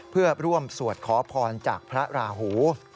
เพื่อร่วมสวดขอพรจากพระราหู